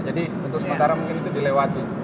jadi untuk sementara mungkin itu dilewati